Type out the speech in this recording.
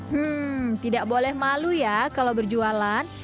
hmm tidak boleh malu ya kalau berjualan